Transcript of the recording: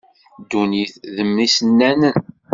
Ddunit, d mm isennanen.